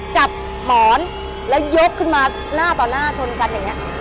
จับหมอนแล้วยกขึ้นมาหน้าต่อหน้าชนกันอย่างนี้